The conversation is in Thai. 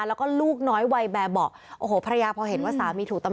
แล้วก็ลูกน้อยวัยแบบอบ